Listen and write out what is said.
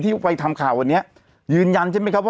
ไปทำข่าววันนี้ยืนยันใช่ไหมครับว่า